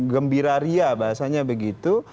gembiraria bahasanya begitu